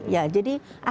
ya jadi akses ini ya